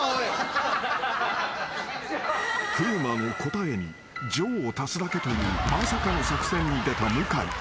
［風磨の答えに「上」を足すだけというまさかの作戦に出た向井］